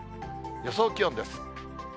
予想気温です。